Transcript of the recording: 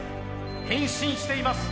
変身しています。